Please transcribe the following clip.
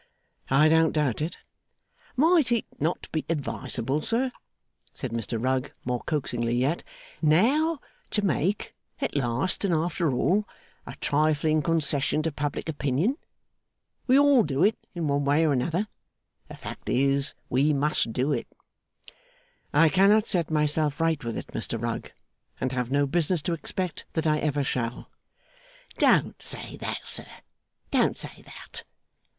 'I don't doubt it.' 'Might it not be advisable, sir,' said Mr Rugg, more coaxingly yet, 'now to make, at last and after all, a trifling concession to public opinion? We all do it in one way or another. The fact is, we must do it.' 'I cannot set myself right with it, Mr Rugg, and have no business to expect that I ever shall.' 'Don't say that, sir, don't say that.